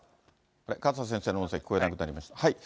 勝田先生の音声、聞こえなくなりました。